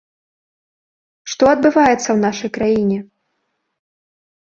Што адбываецца ў нашай краіне?